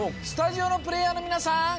スタジオのプレーヤーの皆さん